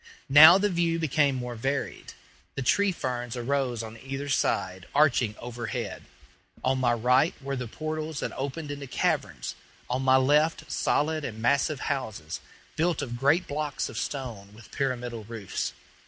Now the view became more varied. The tree ferns arose on either side, arching overhead; on my right were the portals that opened into caverns, on my left solid and massive houses, built of great blocks of stone, with pyramidal roofs.